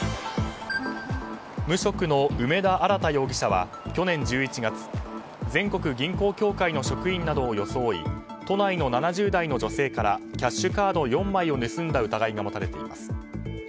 無職の梅田新大容疑者は去年１１月全国銀行協会の職員などを装い都内の７０代の女性からキャッシュカード４枚を盗んだ疑いが持たれています。